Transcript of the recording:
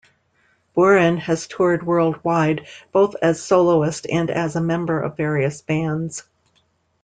Boeren has toured worldwide, both as soloist and as a member of various bands.